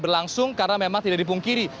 berlangsung karena memang tidak dipungkiri